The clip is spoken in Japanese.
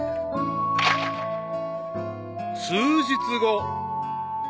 ［数日後］